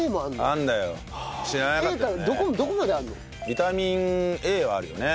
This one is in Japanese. ビタミンＡはあるよね。